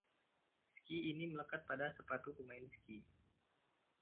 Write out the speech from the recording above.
Ski ini melekat pada sepatu pemain ski.